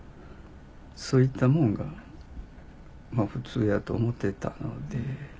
そういったもんが普通やと思ってたので。